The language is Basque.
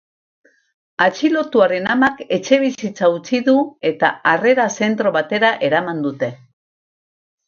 Atxilotuaren amak etxebizitza utzi du, eta harrera-zentro batera eraman dute.